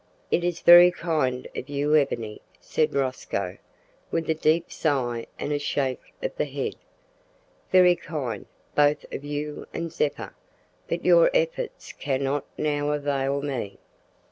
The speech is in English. "It is very kind of you, Ebony," said Rosco, with a deep sigh and a shake of the head, "very kind, both of you and Zeppa, but your efforts cannot now avail me.